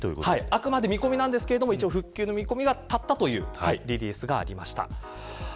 あくまで見込みなんですが一応、復旧の見込みが立ったというリリースがありました。